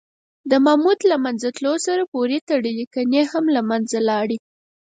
د ماموت له منځه تلو سره پورې تړلي کنې هم له منځه لاړې.